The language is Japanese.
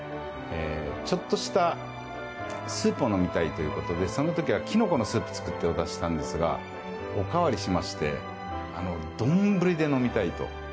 ちょっとしたスープを飲みたいということでその時はキノコのスープを作ってお出ししたんですがお代わりして丼で飲みたいと。